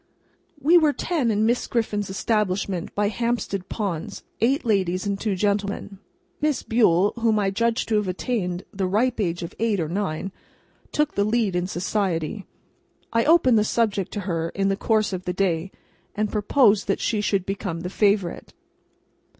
We were ten in Miss Griffin's establishment by Hampstead Ponds; eight ladies and two gentlemen. Miss Bule, whom I judge to have attained the ripe age of eight or nine, took the lead in society. I opened the subject to her in the course of the day, and proposed that she should become the Favourite.